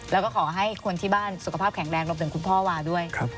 แล้วก็ขอให้คนที่บ้านสุขภาพแข็งแรงรวมถึงคุณพ่อวาด้วย